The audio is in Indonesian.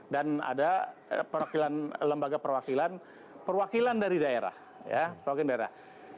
dan ada lembaga perwakilan perwakilan dari daerah